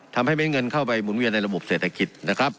ทำให้เม็ดเงินเข้าไปหมุนเวียนในระบบเศรษฐกิจนะครับ